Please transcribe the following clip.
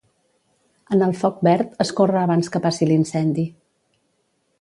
En el Foc Verd es corre abans que passi l'incendi.